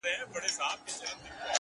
دا موسیقي نه ده جانانه؛ دا سرگم نه دی؛